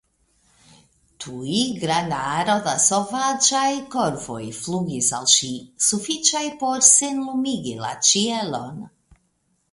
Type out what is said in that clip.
Tuj granda aro da sovaĝaj korvoj flugis al ŝi, sufiĉaj por senlumigi la ĉielon.